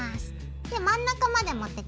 で真ん中まで持ってくるよ。